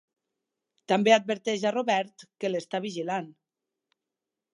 També adverteix a Robert que l'està vigilant.